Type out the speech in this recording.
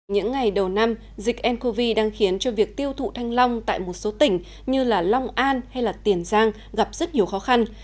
những ngày đầu năm dịch ncov đang khiến cho việc tiêu thụ thanh long tại một số tỉnh như long an hay tiền giang gặp rất nhiều khó khăn